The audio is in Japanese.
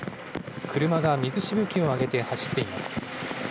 車が水しぶきを上げて走っています。